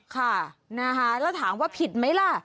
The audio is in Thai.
ค่ะนะคะแล้วถามว่าผิดไหมล่ะ